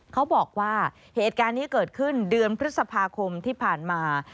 เขาบอกว่าเหตุการณ์นี้เกิดขึ้นเดือนพฤษภาคมที่ผ่านมา